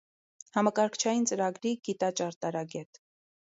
Համակարգչային ծրագրի գիտաճարտարագէտ։